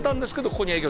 ここに営業